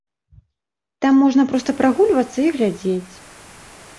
Там можна проста прагульвацца і глядзець.